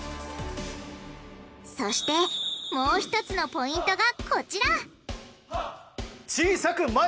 そしてもう１つのポイントがこちら！